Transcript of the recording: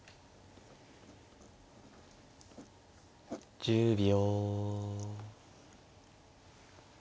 １０秒。